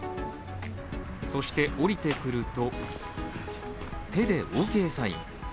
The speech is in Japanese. そして降りてくると手でオーケーサイン。